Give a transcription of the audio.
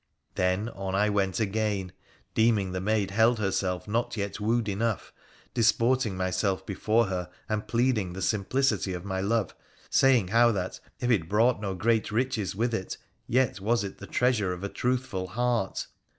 Then on I went again, deeming the maid held herself not yet wooed enough, disporting myself before her, and pleading the simplicity of my love, saying how that, if it brought no great riches with it, yet was it the treasure of a truthful heart.